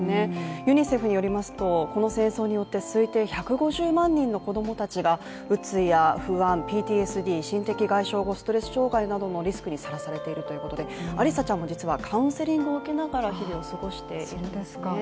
ユニセフによりますと、この戦争によって推定１５０万人の子供たちがうつや不安、ＰＴＳＤ＝心的外傷後ストレス障害のリスクにさらされているということでアリサちゃんも実はカウンセリングを受けながら日々を過ごしているんですね。